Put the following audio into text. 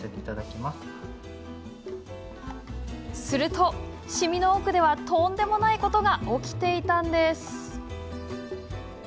すると、シミの奥ではとんでもないことが起きていたんです！